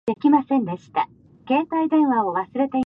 موږ د اسلامي معارفو په رڼا کې ژوند کوو.